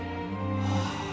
はあ。